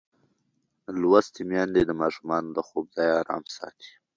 لوستې میندې د ماشومانو د خوب ځای ارام ساتي.